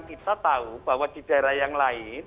kita tahu bahwa di daerah yang lain